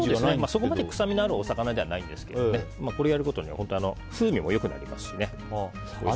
そこまで臭みがあるお魚じゃないんですけどこれをやることで風味も良くなりますし。